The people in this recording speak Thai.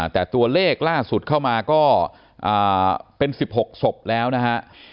แต่ตัวเลขล่าสุดเข้ามาก็เป็น๑๖ศพแล้วนะฮะ